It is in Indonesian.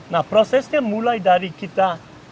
nah prosesnya mulai dari kita